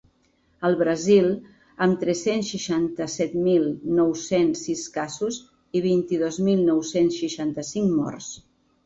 El Brasil, amb tres-cents seixanta-set mil nou-cents sis casos i vint-i-dos mil nou-cents seixanta-cinc morts.